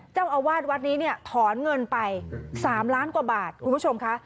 เจ้าอาวาสวัดนี้เนี่ยถอนเงินไป๓ล้านกว่าบาทคุณผู้ชมค่ะ